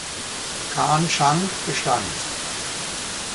Karn-Chang bestand.